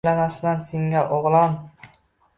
Tilamasman senga, o’g’lon.